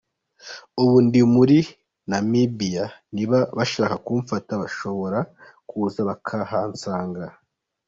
"Ubu ndi muri Namibia, niba bashaka kumfata bashobora kuza bakahansanga.